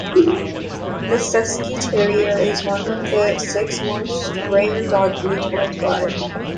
The Cesky Terrier is one of the six most rare dog breeds worldwide.